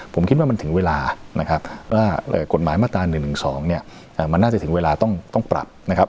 ผมคิดว่ามันถึงเวลานะครับว่ากฎหมายมาตรา๑๑๒เนี่ยมันน่าจะถึงเวลาต้องปรับนะครับ